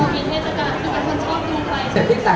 ก็มากับมุมปีนะครับ